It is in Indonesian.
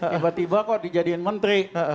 tiba tiba kok dijadiin menteri